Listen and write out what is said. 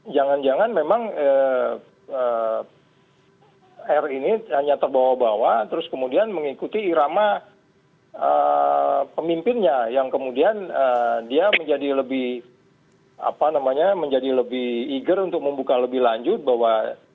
jangan jangan memang r ini hanya terbawa bawa terus kemudian mengikuti irama pemimpinnya yang kemudian dia menjadi lebih apa namanya menjadi lebih eager untuk membuka lebih lanjut bahwa